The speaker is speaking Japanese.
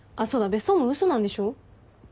別荘も嘘なんでしょ？